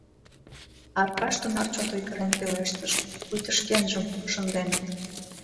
— Аркаш тунар чот ойгырен пелештыш, пуйто шкенжым шынденыт.